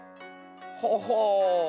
ほほう。